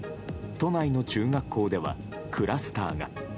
都内の中学校ではクラスターが。